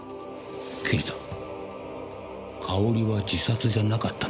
刑事さんかおりは自殺じゃなかったんですか？